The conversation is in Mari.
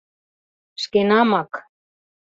Шкенамак.